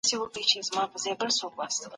د غريبو خلګو لاسنيوی فرض دی.